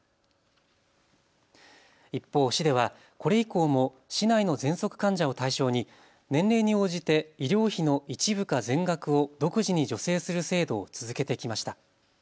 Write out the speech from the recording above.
一方、市ではこれ以降も市内のぜんそく患者を対象に年齢に応じて医療費の一部か全額を独自に助成する制度を続けてきました。